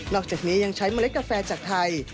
อกจากนี้ยังใช้เมล็ดกาแฟจากไทย